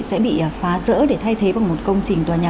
sẽ bị phá rỡ để thay thế bằng một công trình tòa nhà